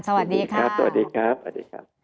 สวัสดีครับสวัสดีครับ